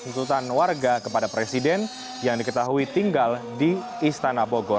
tuntutan warga kepada presiden yang diketahui tinggal di istana bogor